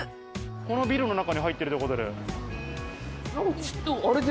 このビルの中に入っているということで。